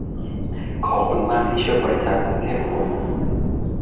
ขอบคุณมากที่ช่วยบริจาคเงินให้ผม